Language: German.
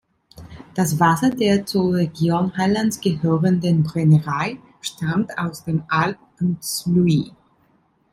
Das Wasser der zur Region Highlands gehörenden Brennerei stammt aus dem Allt an t’Sluie.